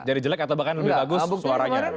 jadi jelek atau bahkan lebih bagus suaranya